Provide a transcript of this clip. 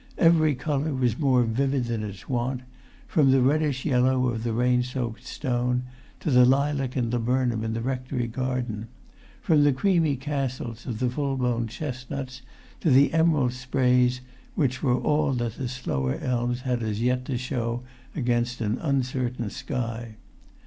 Every colour was more vivid than its wont, from the reddish yellow of the rain soaked stone to lilac and laburnum in the rectory garden; from the creamy castles of the full blown chestnuts to the emerald sprays which were all that the slower elms had as yet to show against an uncertain sky.